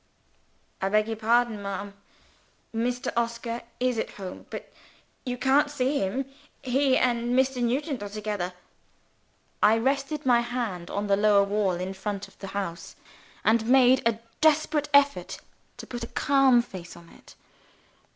"I beg your pardon, ma'am. Mr. Oscar is at home but you can't see him. He and Mr. Nugent are together." I rested my hand on the low wall in front of the house, and made a desperate effort to put a calm face on it.